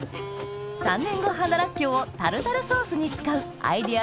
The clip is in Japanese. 三年子花らっきょうをタルタルソースに使うアイデア